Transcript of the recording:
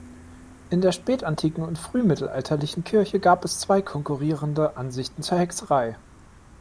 In der spätantiken und frühmittelalterlichen Kirche gab es zwei konkurrierende Ansichten zur Hexerei.